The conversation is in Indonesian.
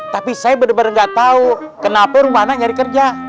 tapi saya bener bener gak tau kenapa rumah anak nyari kerja